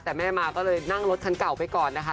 แต่แม่มาก็เลยนั่งรถคันเก่าไปก่อนนะคะ